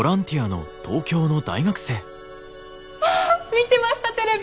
見てましたテレビ！